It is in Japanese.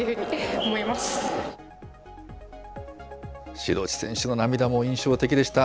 志土地選手の涙も印象的でした。